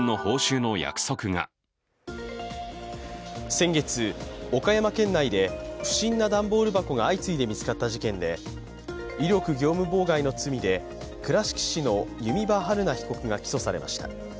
先月、岡山県内で不審な段ボール箱が相次いで見つかった事件で、威力業務妨害の罪で倉敷市の弓場晴菜被告が起訴されました。